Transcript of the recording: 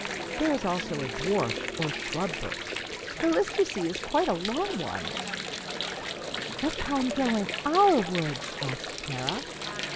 There is also a dwarf, or shrub, birch. The list, you see, is quite a long one." "What kind grow in our woods?" asked Clara.